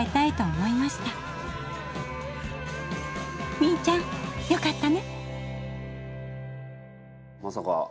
みいちゃんよかったね！